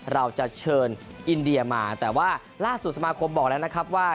เราจะเชิญอินเดียมาแต่ว่าล่าสุดสมาคมบอกแล้วนะครับว่า